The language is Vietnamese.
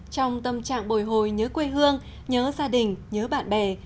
trong tâm trạng bồi hồi nhớ quê hương nhớ gia đình nhớ bạn bè